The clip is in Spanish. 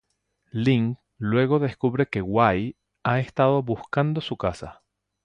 Ling luego descubre que Wai ha estado buscando su casa.